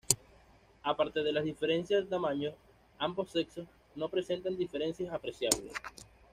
Aparte de las diferencias de tamaño, ambos sexos no presentan diferencias apreciables.